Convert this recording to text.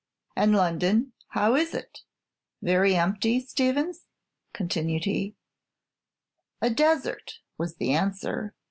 "And London, how is it? Very empty, Stevins?" continued he. "A desert," was the answer.